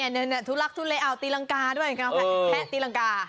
ทุลักทุเลเอาตีรังกาด้วยแพะตีรังกา